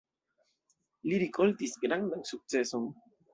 Li rikoltis grandan sukceson.